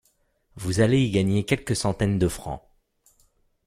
Vous allez y gagner quelques centaines de francs.